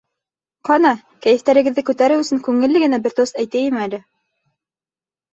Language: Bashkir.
Ҡана, кәйефтәрегеҙҙе күтәреү өсөн күңелле генә бер тост әйтәйем әле.